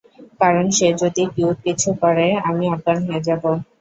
কারণ সে যদি কিউট কিছু করে আমি অজ্ঞান হয়ে যাবো।